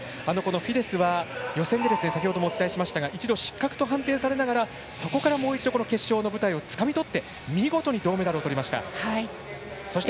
フィデスは、予選で一度、失格と判定されながらそこからもう一度決勝の舞台をつかみ取って見事に銅メダルをとりました。